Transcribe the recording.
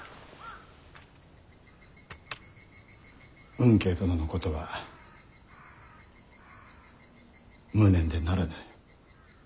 吽慶殿のことは無念でならぬ。